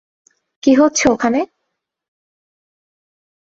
কী হচ্ছে ওখানে?